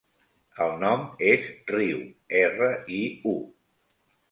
El nom és Riu: erra, i, u.